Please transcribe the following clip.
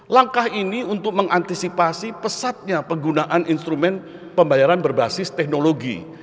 langkah ini untuk mengantisipasi pesatnya penggunaan instrumen pembayaran berbasis teknologi